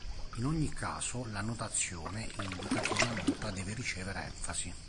In ogni caso, la notazione indica che una nota deve ricevere enfasi.